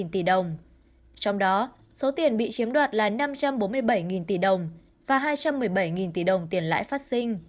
trong đó số tiền bị chiếm đoạt là năm trăm bốn mươi bảy tỷ đồng và hai trăm một mươi bảy tỷ đồng tiền lãi phát sinh